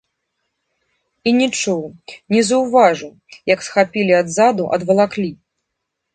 І не чуў, не заўважыў, як схапілі адзаду, адвалаклі.